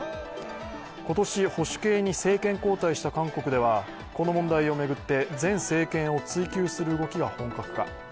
今年、保守系に政権交代した韓国ではこの問題を巡って前政権を追及する動きが本格化。